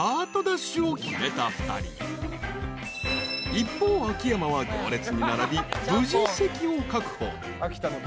［一方秋山は行列に並び無事席を確保］